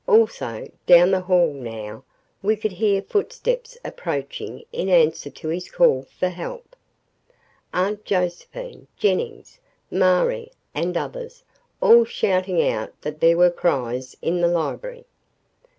Also, down the hall, now, we could hear footsteps approaching in answer to his call for help Aunt Josephine, Jennings, Marie, and others, all shouting out that there were cries in the library.